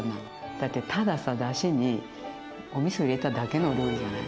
だってたださだしにおみそ入れただけのお料理じゃない？